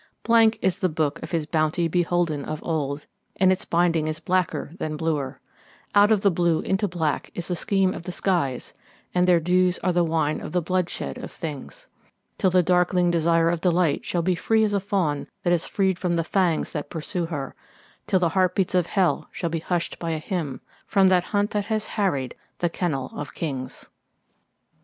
Blank is the book of his bounty beholden of old, and its binding is blacker than bluer; Out of blue into black is the scheme of the skies, and their dews are the wine of the bloodshed of things; Till the darkling desire of delight shall be free as a fawn that is freed from the fangs that pursue her, Till the heartbeats of hell shall be hushed by a hymn from that hunt that has harried the kennel of kings.